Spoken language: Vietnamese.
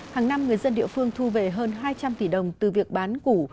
hàng năm người dân địa phương thu về hơn hai trăm linh tỷ đồng từ việc bán củ